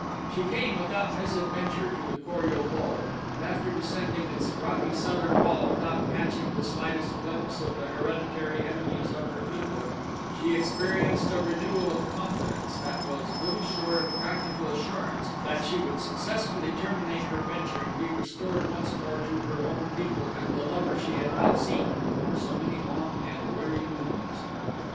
She came without misadventure to the Kor ul lul and after descending its rocky southern wall without catching the slightest glimpse of the hereditary enemies of her people, she experienced a renewal of confidence that was little short of practical assurance that she would successfully terminate her venture and be restored once more to her own people and the lover she had not seen for so many long and weary moons.